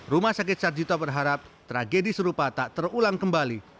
rumah sakit sarjito berharap tragedi serupa tak terulang kembali